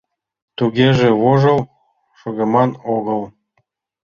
Тугеже, вожыл шогыман огыл!